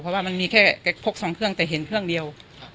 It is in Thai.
เพราะว่ามันมีแค่พก๒เครื่องแต่เห็นเครื่องเดียว